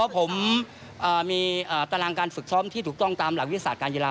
ผมมีตารางการฝึกซ้อมที่ถูกต้องตามหลักวิทยาศาสตร์การกีฬา